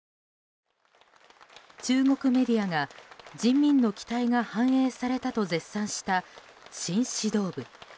中国メディアが人民の期待が反映されたと絶賛した新指導部。